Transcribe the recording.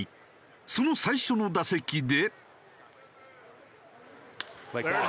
その最初の打席で。